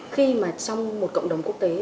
khi mà trong một cộng đồng quốc tế